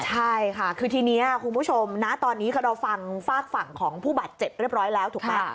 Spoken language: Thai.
ใช่ค่ะคือทีนี้คุณผู้ชมนะตอนนี้เราฟังฝากฝั่งของผู้บาดเจ็บเรียบร้อยแล้วถูกไหม